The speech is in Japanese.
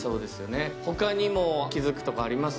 他にも気付くとこあります？